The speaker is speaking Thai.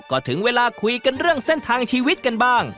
ก็ถึงเวลาคุยกันเรื่องเส้นทางชีวิตกันบ้าง